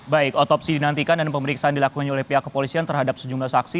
baik otopsi dinantikan dan pemeriksaan dilakukan oleh pihak kepolisian terhadap sejumlah saksi